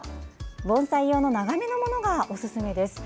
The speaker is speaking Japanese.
盆栽用の長めのものがおすすめです。